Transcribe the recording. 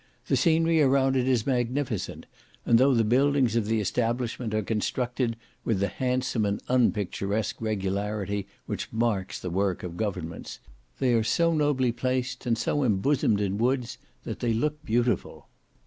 The scenery around it is magnificent, and though the buildings of the establishment are constructed with the handsome and unpicturesque regularity which marks the work of governments, they are so nobly placed, and so embosomed in woods, that they look beautiful.